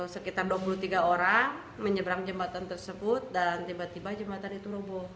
sekitar dua puluh tiga orang menyeberang jembatan tersebut dan tiba tiba jembatan itu rubuh